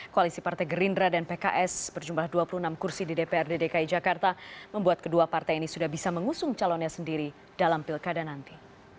koalisi partai gerindra dan pks berjumlah dua puluh enam kursi di dprd dki jakarta membuat kedua partai ini sudah bisa mengusung calonnya sendiri dalam pilkada nanti